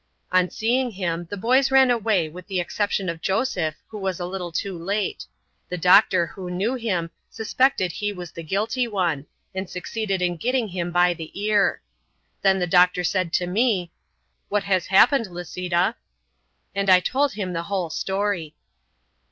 On seeing him the boys ran away with the exception of Joseph, who was a little too late. The Doctor, who knew him, suspected he was the guilty one, and succeeded in getting him by the ear. Then the doctor said to me, "What has happened, Lisita?" And I told him the whole story.